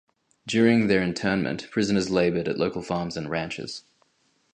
During their internment, prisoners labored at local farms and ranches.